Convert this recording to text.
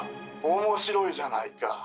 ☎面白いじゃないか。